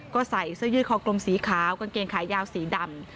ก็ใส่เสื้อยืดคอกลมสีขาวกางเกงขายาวสีดำ